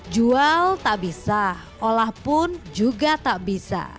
jual tak bisa olah pun juga tak bisa